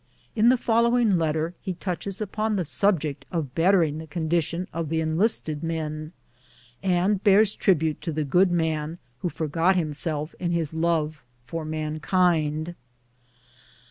In the following letter he touches upon the subject of bettering the con LEAVE OF ABSENCE. 249 dition of the enlisted men, and bears tribute to the good man who forgot himself in his love for" mankind.